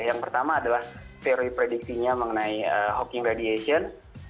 yang pertama adalah teori prediksinya mengenai hawking radiation